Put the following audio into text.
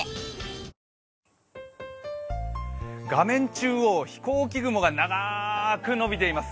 中央、飛行機雲が長くのびています。